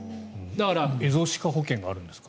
エゾシカ保険があるんですか？